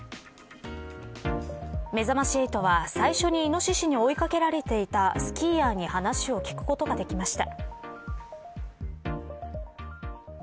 めざまし８は最初にイノシシに追い掛けられていたスキーヤーに話を聞くことができました。